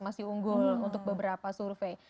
masih unggul untuk beberapa survei